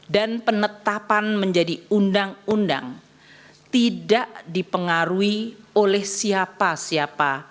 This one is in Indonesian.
dan penetapan menjadi undang undang tidak dipengaruhi oleh siapa siapa